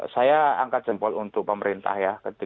saya angkat jempol untuk pemerintah ya